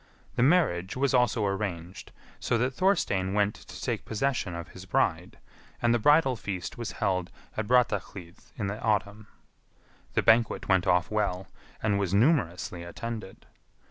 The marriage was also arranged, so that Thorstein went to take possession of his bride, and the bridal feast was held at Brattahlid in the autumn. The banquet went off well, and was numerously attended.